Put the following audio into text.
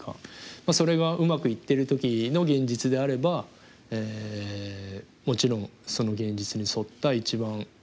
まあそれがうまくいってる時の現実であればもちろんその現実に沿った一番いいことをやっていく。